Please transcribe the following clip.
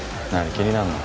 気になんの？